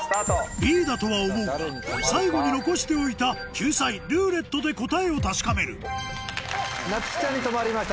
Ｂだとは思うが最後に残しておいた救済「ルーレット」で答えを確かめるなつきちゃんに止まりました。